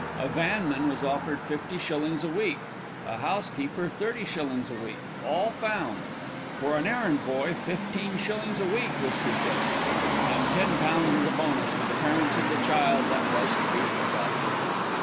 A vanman was offered fifty shillings a week, a housekeeper thirty shillings a week all found; for an errand boy fifteen shillings a week was suggested, and ten pounds as a bonus to the parents of the child that was to be adopted.